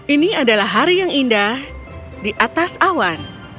ini adalah hari yang indah di atas awan